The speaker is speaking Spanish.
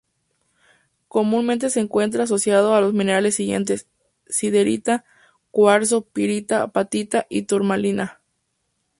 Comúnmente se encuentra asociado a los minerales siguientes: siderita, cuarzo, pirita, apatita y turmalina.